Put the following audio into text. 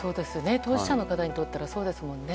当事者の方にとってはそうですよね。